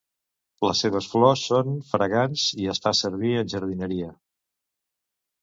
Les seves flors són fragants i es fa servir en jardineria.